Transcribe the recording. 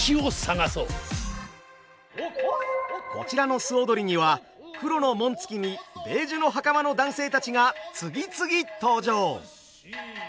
こちらの素踊りには黒の紋付きにベージュの袴の男性たちが次々登場。